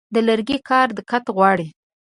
د لرګي کار دقت غواړي.